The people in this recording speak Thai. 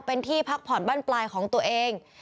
เป็นที่พักผ่อนบ้านปลายของตัวเอง